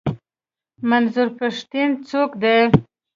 منظور پښتين څوک دی؟